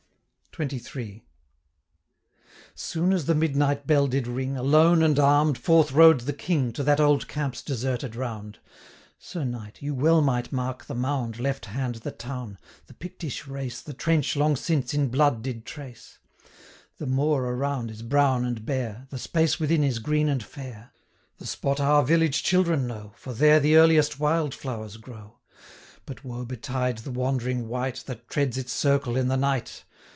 XXIII. 'Soon as the midnight bell did ring, Alone, and arm'd, forth rode the King 435 To that old camp's deserted round: Sir Knight, you well might mark the mound, Left hand the town, the Pictish race, The trench, long since, in blood did trace; The moor around is brown and bare, 440 The space within is green and fair. The spot our village children know, For there the earliest wild flowers grow; But woe betide the wandering wight, That treads its circle in the night!